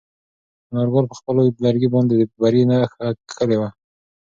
انارګل په خپل اوږد لرګي باندې د بري نښه کښلې وه.